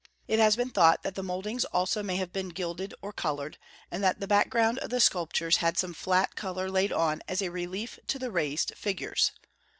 It has been thought that the mouldings also may have been gilded or colored, and that the background of the sculptures had some flat color laid on as a relief to the raised figures.